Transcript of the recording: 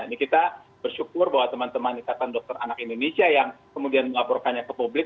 ini kita bersyukur bahwa teman teman ikatan dokter anak indonesia yang kemudian melaporkannya ke publik